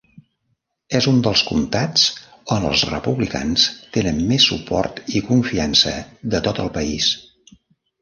És un dels comtats on els republicans tenen més suport i confiança de tot el país.